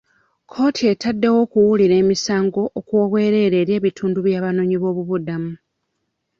Kkooti etaddewo okuwulira emisango okw'obwereere eri ebitundu by'abanoonyi b'obubuddamu.